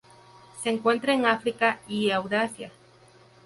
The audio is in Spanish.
Se encuentra en África y Eurasia.